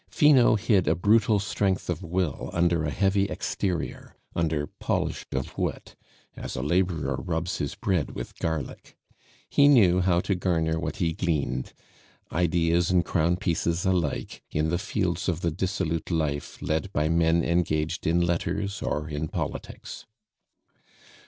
Finot hid a brutal strength of will under a heavy exterior, under polish of wit, as a laborer rubs his bread with garlic. He knew how to garner what he gleaned, ideas and crown pieces alike, in the fields of the dissolute life led by men engaged in letters or in politics.